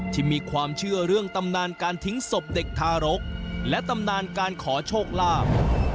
ที่มีความเชื่อเรื่องตำนานการทิ้งศพเด็กทารกและตำนานการขอโชคลาภ